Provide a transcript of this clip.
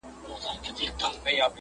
له پاڼو تشه ونه؛